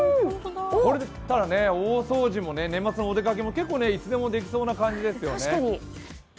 これだったら大掃除も年末のお出かけも結構いつでもできそうな感じですよね。